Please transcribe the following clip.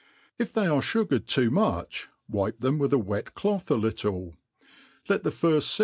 If they are fugared too much, wipe them with a wet cloth a little : let the firft fy«